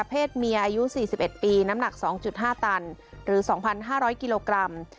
เพศเมียอายุ๔๑ปีน้ำหนัก๒๕ตันหรือ๒๕๐๐กิโลกรัม